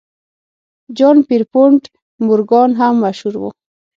جان پیرپونټ مورګان هم مشهور و.